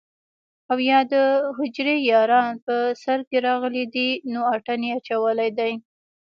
او يا دحجرې ياران په سر کښې راغلي دي نو اتڼ يې اچولے دے